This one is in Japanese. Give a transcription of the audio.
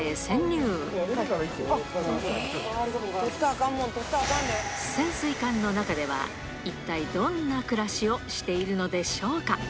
潜水艦の中では、一体どんな暮らしをしているのでしょうか。